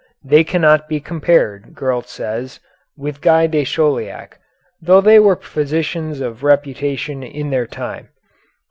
They cannot be compared, Gurlt says, with Guy de Chauliac, though they were physicians of reputation in their time.